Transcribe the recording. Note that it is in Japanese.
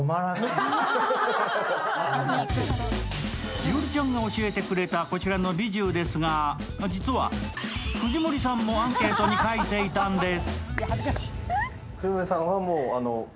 栞里ちゃんが教えてくれた、こちらの美寿ですが、実は藤森さんもアンケートに書いていたんです。